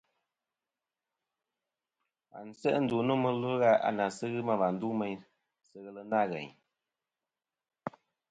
À, wa n-se ndu nô mɨ ilaʼ a nà ghɨ ma wà ndu meyn sɨ ghelɨ nâ ghèyn.